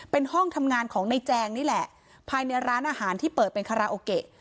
เป็นห้องทำงานของในแจงนี่แหละภายในร้านอาหารที่เปิดเป็นคาราโอเกะ